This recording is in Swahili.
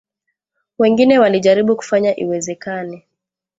Wengine walijaribu kufanya iwezekane